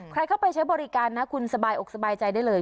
ใครเข้าไปใช้บริการนะคุณสบายอกสบายใจได้เลย